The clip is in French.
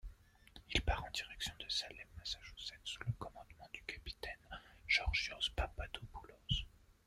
Il part en direction de Salem, Massachusetts sous le commandement du capitaine Georgios Papadopoulos.